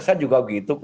saya juga begitu